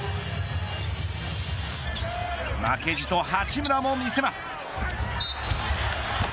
負けじと八村も見せます。